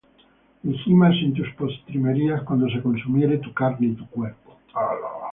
Y gimas en tus postrimerías, Cuando se consumiere tu carne y tu cuerpo,